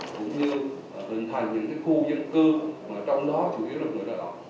cũng như hình thành những khu dân cư mà trong đó chủ yếu là người lao động